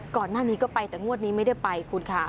ก่อนหน้านี้ก็ไปแต่งวดนี้ไม่ได้ไปคุณค่ะ